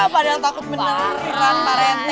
padahal takut menarikan pak rente